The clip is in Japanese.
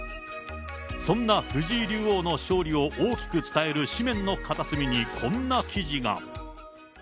そんな藤井竜王の勝利を大きく伝える紙面の片隅に、こんな記事が。